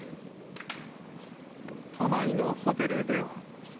都内のホテルでは。